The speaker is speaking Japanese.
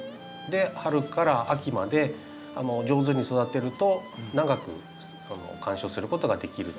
春から秋まで上手に育てると長く観賞することができるというですね